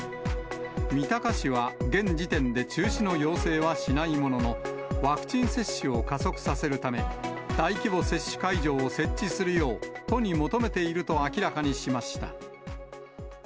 三鷹市は現時点で中止の要請はしないものの、ワクチン接種を加速させるため、大規模接種会場を設置するよう、都に求めていると明らかにしました。